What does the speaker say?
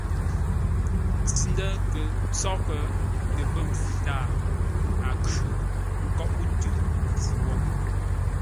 Ntsʉ-ndə̂ kə̂ ntsóghʼə́ tə pə̂ mpfu tâa, a khʉ̂ ńkóʼó tʉ́ mpfu wo.